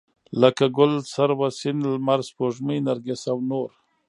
لکه ګل، سروه، سيند، لمر، سپوږمۍ، نرګس او نور